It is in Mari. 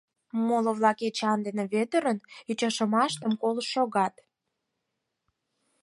Моло-влак Эчан ден Вӧдырын ӱчашымыштым колышт шогат.